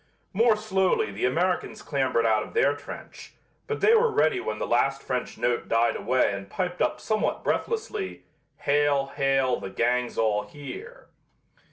More slowly the Americans clambered out of their trench, but they were ready when the last French note died away and piped up somewhat breathlessly: "Hail! Hail! the gang's all here!"